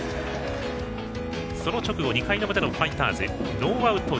その直後２回の表のファイターズノーアウト